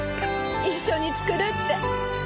一緒に作るって。